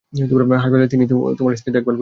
হাসপাতালে তিনিই তোমার স্ত্রীর দেখভাল করেছিল।